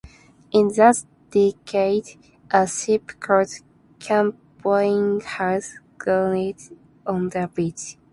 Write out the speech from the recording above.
In that decade, a ship called "Camboinhas" grounded on the beach.